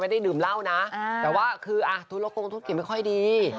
ทุนละโกงทุนกินไม่ค่อยดี